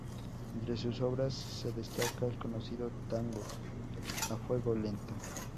Entre sus obras se destaca el conocido tango "A fuego lento".